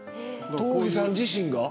東儀さん自身が。